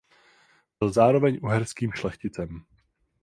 Byl zároveň uherským šlechticem.